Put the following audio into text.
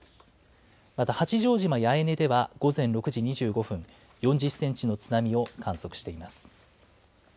また八丈島八重根では、午前６時２５分、４０センチの津波を観測しています。